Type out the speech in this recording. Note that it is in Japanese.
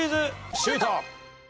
シュート！